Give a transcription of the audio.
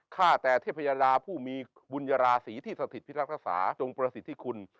ฆ่าแต่เทพยาราผู้มีบุญราศีที่สถิตพิทักษาจงประสิทธิคุณ